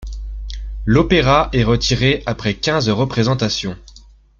L'opéra est retiré après quinze représentations.